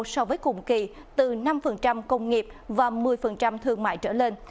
so với cùng kỳ từ năm công nghiệp và một mươi thương mại trở lên